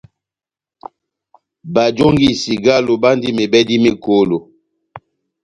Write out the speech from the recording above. Bajongi cigalo bandi mebèdi mekolo.